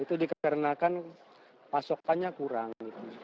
itu dikarenakan pasokannya kurang